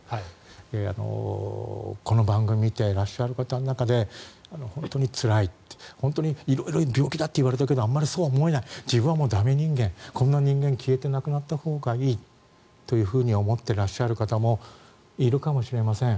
この番組見ていらっしゃる方の中で本当につらい本当に色々病気だといわれたけどあまりそうは思えない自分は駄目人間こんな人間消えてなくなったほうがいいと思ってらっしゃる方もいるかもしれません。